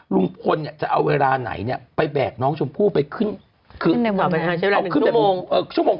ลุงพลจะเอาเวลาไหนไปแบกน้องชมพู่ไปขึ้นขึ้นแน่บันไทย